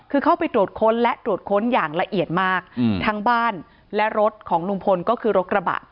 คือเข้าไปตรวจค้นและตรวจค้นอย่างละเอียดมากทั้งบ้านและรถของลุงพลก็คือรถกระบะ